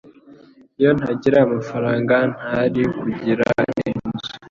Iyo ntagira amafaranga ntari kugira inzu.